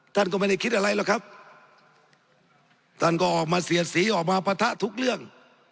ท่านก็ไม่ได้คิดอะไรหรอกครับท่านก็ออกมาเสียดสีออกมาปะทะทุกเรื่อง